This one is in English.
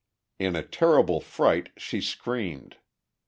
In a terrible fright she screamed.